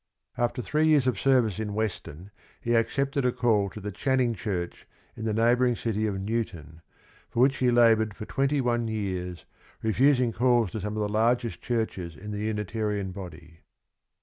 After three years of service in Weston he ac cepted a call to the Channing Church in the neighboring city of Newton, for which he labored for twenty one years, refusing calls to some of the largest churches in the Unitarian body.